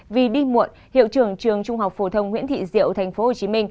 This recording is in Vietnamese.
vì đi muộn hiệu trưởng trường trung học phổ thông nguyễn thị diệu tp hcm